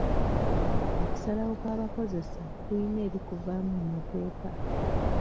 Okusalawo kw'abakozesa kuyina ebikuvaamu mu mateeka.